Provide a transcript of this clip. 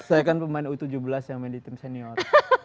saya kan pemain u tujuh belas yang main di tim senior